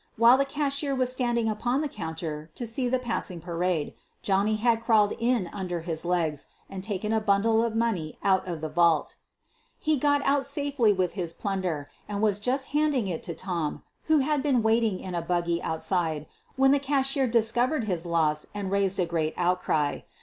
While the cashier was standing upon the counter to see the passing parade, Johnny had crawled in un der his legs and taken a bundle of money out of the vault. He got safely out with his plunder and was just banding it to Tom, who had been waiting in a buggy QUEEN OF THE BURGLAES 139 outside, when the cashier discovered his loss and raised a great outcry.